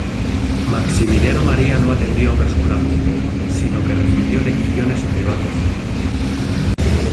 Maximiliano María no atendió a una escuela pública, sino que recibió lecciones privadas.